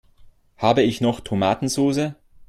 Habe ich noch Tomatensoße?